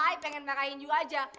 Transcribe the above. saya ingin marahkan kamu saja